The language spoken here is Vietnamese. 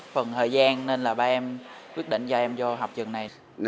phần thời gian nên là ba em quyết định cho em vô học trường này